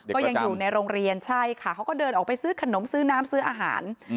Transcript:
ก็ยังอยู่ในโรงเรียนใช่ค่ะเขาก็เดินออกไปซื้อขนมซื้อน้ำซื้ออาหาร